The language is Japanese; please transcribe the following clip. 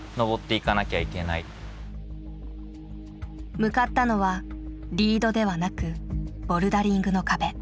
向かったのはリードではなくボルダリングの壁。